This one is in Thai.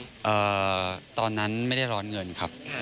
ตอนนั้นไม่ได้ร้อนเงินครับ